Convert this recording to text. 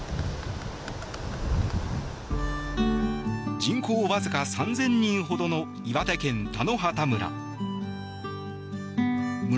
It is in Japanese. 人口わずか３０００人ほどの岩手県田野畑村。